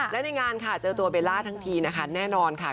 และในงานค่ะเจอตัวเบลล่าทั้งทีนะคะแน่นอนค่ะ